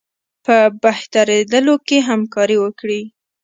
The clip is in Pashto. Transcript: په بهترېدلو کې همکاري وکړي.